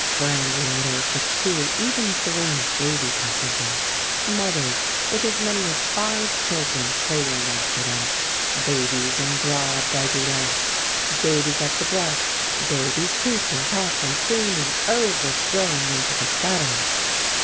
Perambulators with two, even three, baby passengers; mothers with as many as five children trailing after them; babies in broad baggy laps, babies at the breast, babies creeping, toppling, screaming, overflowing into the gutters.